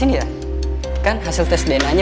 di sini ya kan hasil tes dna nya